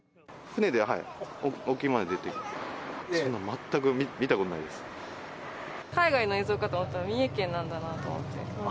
船で沖まで出るけど、全く見海外の映像かと思ったら、三重県なんだなと思って。